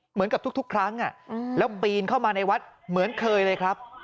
เหมือนกับทุกครั้งแล้วปีนเข้ามาในวัดเหมือนเคยเลยครับ